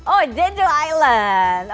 oh jeju island